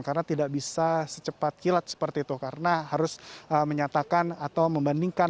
karena tidak bisa secepat kilat seperti itu karena harus menyatakan atau membandingkan